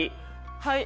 はい。